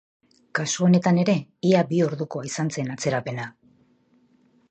Kasu honetan ere, ia bi ordukoa izan zen atzerapena.